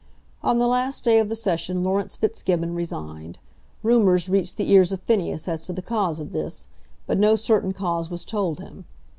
On the last day of the session Laurence Fitzgibbon resigned. Rumours reached the ears of Phineas as to the cause of this, but no certain cause was told him.